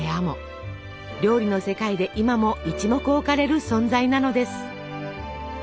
料理の世界で今も一目置かれる存在なのです。